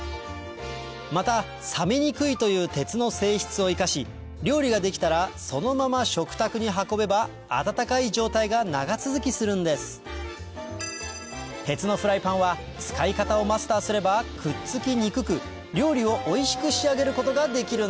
また冷めにくいという鉄の性質を生かし料理ができたらそのまま食卓に運べば温かい状態が長続きするんです鉄のフライパンは使い方をマスターすればくっつきにくく料理をおいしく仕上げることができるんです